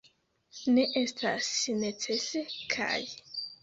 Ne estas necese, kaj.